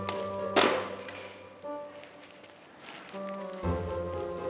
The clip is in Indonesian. kenapa handphone gue di situ ya